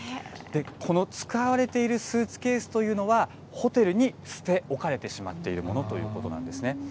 この使われているスーツケースというのは、ホテルに捨て置かれてしまっているものということなんですね。